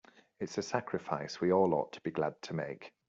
It's a sacrifice we all ought to be glad to make.